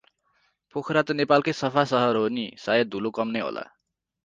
पोखरा त नेपालकै सफा सहर हो नि, सायद धुलो कम नै होला ।